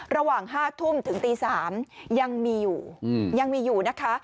ระหว่าง๕ทุ่มถึงตี๓ยังมีอยู่ยังมีอยู่นะคะ